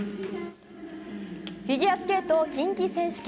フィギュアスケート近畿選手権。